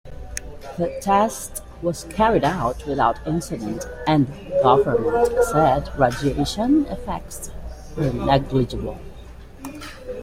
The test was carried out without incident, and government said radiation effects were negligible.